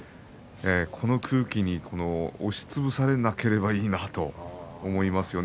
この空気に押しつぶされなければいいなと思いますよ。